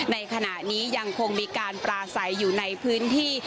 ในขณะนี้ยังคงมีการปราศัยอยู่ในพื้นที่